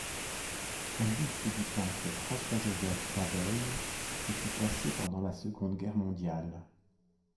Un buste du peintre François-Joseph Navez y fut placé pendant la Seconde Guerre mondiale.